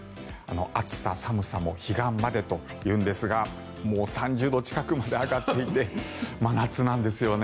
暑さ寒さも彼岸までというんですがもう３０度近くまで上がっていて真夏なんですよね。